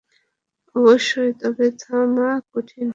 অবশ্যই, তবে থামা কঠিন।